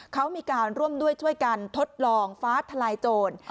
เขามีการร่วมด้วยช่วยกันทดลองฟ้าทลายโจร